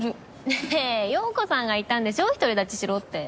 ねえ洋子さんが言ったんでしょ独り立ちしろって。